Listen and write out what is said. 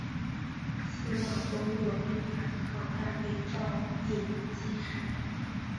司马宗勒兵反抗但被赵胤击杀。